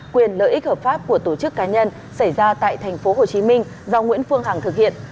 quyền lợi ích hợp pháp của tổ chức cá nhân xảy ra tại tp hcm do nguyễn phương hằng thực hiện